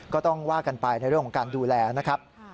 ก็ต้องว่ากันไปในเรื่องของการดูแลนะครับ